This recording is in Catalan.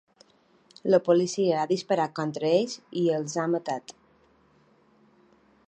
La policia ha disparat contra ells i els ha matat.